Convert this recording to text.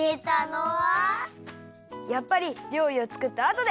やっぱりりょうりをつくったあとで！